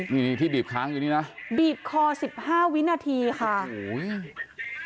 นี่นี่ที่บีบค้างอยู่นี่นะบีบคอสิบห้าวินาทีค่ะโอ้โห